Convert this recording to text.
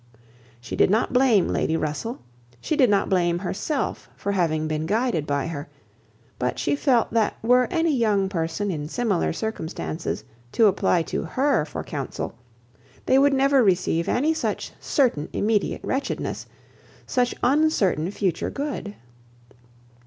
She did not blame Lady Russell, she did not blame herself for having been guided by her; but she felt that were any young person, in similar circumstances, to apply to her for counsel, they would never receive any of such certain immediate wretchedness, such uncertain future good.